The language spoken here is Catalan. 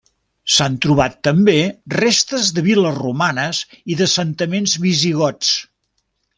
S'han trobat també restes de viles romanes i d'assentaments visigots.